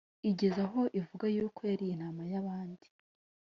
igeza aho ivuga yuko yariye intama z'abandi